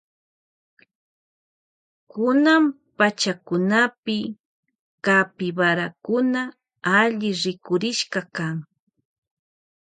Kunan pachakunapi capibarakuna kan alli rikurishka.